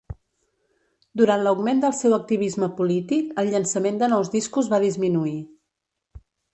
Durant l'augment del seu activisme polític, el llançament de nous discos va disminuir.